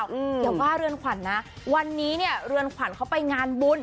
อย่าว่าเรือนขวัญนะวันนี้เนี่ยเรือนขวัญเขาไปงานบุญ